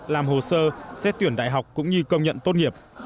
làm hồ sơ xét tuyển đại học cũng như công nhận tốt nghiệp